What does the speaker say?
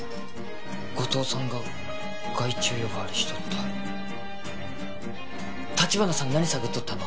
後藤さんが害虫よばわりしとった橘さん何探っとったの？